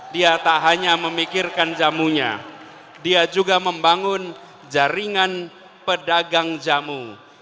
dia tak hanya memikirkan jamunya dia juga membangun jaringan pedagang jamu